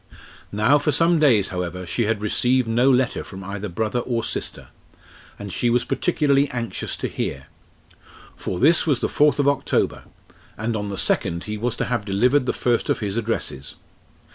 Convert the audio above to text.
Now for some days, however, she had received no letter from either brother or sister, and she was particularly anxious to hear. For this was the fourth of October, and on the second he was to have delivered the first of his addresses.